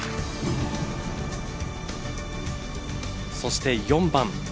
そして４番。